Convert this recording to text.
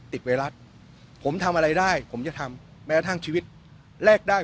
ติดเวรัตผมทำอะไรได้ผมจะทำแม้ว่าท่างชีวิตแลกได้